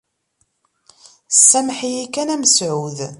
« Sameḥ-iyi kan a Mesεud. »